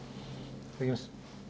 いただきます。